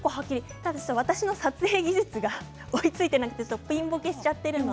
ただ私の撮影技術が追いついていなくてピンボケしています。